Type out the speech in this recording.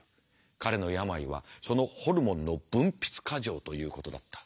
彼の病はそのホルモンの分泌過剰ということだった。